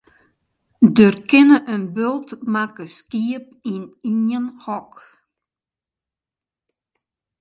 Der kinne in bult makke skiep yn ien hok.